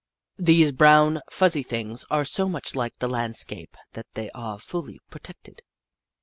These brown, fuzzy things are so much like the landscape that they are fully protected.